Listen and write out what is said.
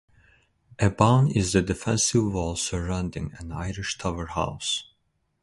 A bawn is the defensive wall surrounding an Irish tower house.